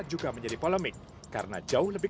juga menjadi polemik karena jauh lebih